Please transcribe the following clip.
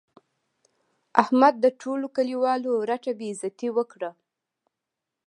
احمد د ټولو کلیوالو رټه بې عزتي وکړه.